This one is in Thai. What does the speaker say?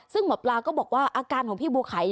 ซึ่งหมอปลาก็บอกว่าอาการของพี่บัวไข่